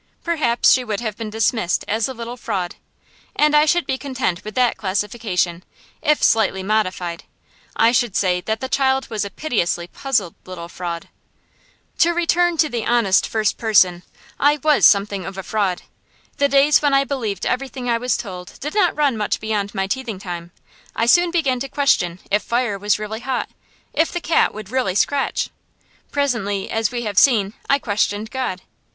Perhaps she would have been dismissed as a little fraud; and I should be content with that classification, if slightly modified. I should say the child was a piteously puzzled little fraud. To return to the honest first person, I was something of a fraud. The days when I believed everything I was told did not run much beyond my teething time. I soon began to question if fire was really hot, if the cat would really scratch. Presently, as we have seen, I questioned God.